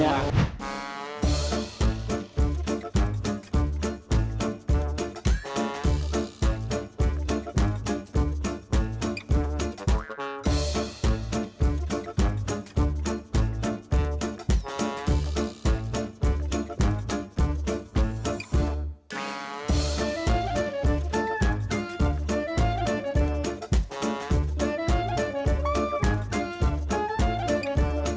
จัดตรี